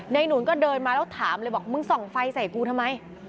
หนุนก็เดินมาแล้วถามเลยบอกมึงส่องไฟใส่กูทำไม